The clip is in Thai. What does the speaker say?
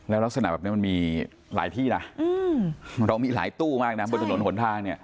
ลักษณะแบบนี้มันมีหลายที่นะเรามีหลายตู้มากนะบนถนนหนทางเนี่ย